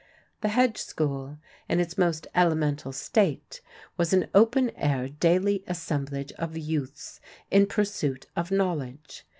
The hedge school in its most elemental state was an open air daily assemblage of youths in pursuit of knowledge.